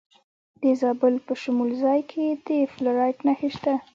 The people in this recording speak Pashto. د زابل په شمولزای کې د فلورایټ نښې شته.